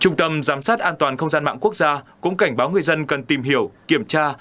trung tâm giám sát an toàn không gian mạng quốc gia cũng cảnh báo người dân cần tìm hiểu kiểm tra